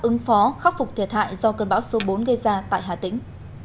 ứng phó khắc phục thiệt hại do cơn bão số bốn gây ra tại hà tĩnh